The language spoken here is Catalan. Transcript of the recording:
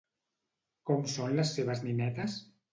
Com són les seves ninetes?